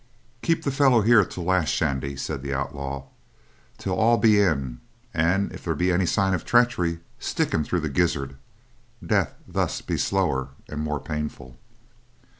"Keep the fellow here till last, Shandy," said the outlaw, "till all be in, an' if there be any signs of treachery, stick him through the gizzard—death thus be slower and more painful."